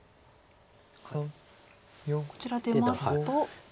こちら出ますと。